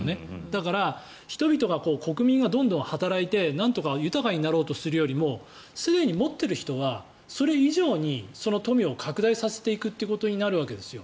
だから、人々が国民がどんどん働いてなんとか豊かになろうとするよりもすでに持っている人はそれ以上にその富を拡大させていくということになるわけですよ。